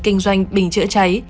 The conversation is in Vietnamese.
kinh doanh bình chữa cháy